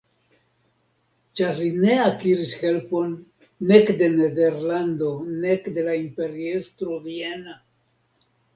Ĉar li ne akiris helpon nek de Nederlando nek de la imperiestro viena.